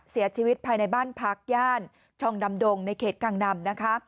เสียชีวิตภายในบ้านพักย่านชองดำดงในเขตกังนำนะคะ